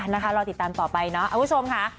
นะคะรอติดตามต่อไปเนาะคุณผู้ชมค่ะ